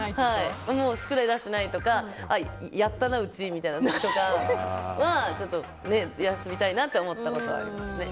宿題出してないとかやったな、うち、みたいな時とか休みたいなって思ったことはありますね。